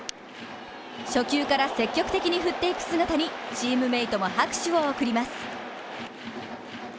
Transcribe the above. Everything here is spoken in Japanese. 初球から積極的に振っていく姿に、チームメイトも拍手を送ります。